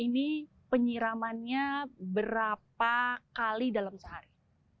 ini penyiramannya berapa kali dalam sehari